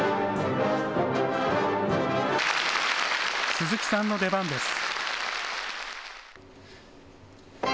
鈴木さんの出番です。